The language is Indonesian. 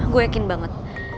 gue yakin banget